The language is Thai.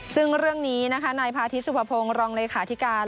ซึ่งเรื่องนี้นะคะนายพาทิตสุภพงศ์รองเลขาธิการ